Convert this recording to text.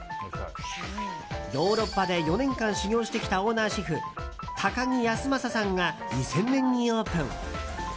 ヨーロッパで４年間修業してきたオーナーシェフ、高木康政さんが２０００年にオープン。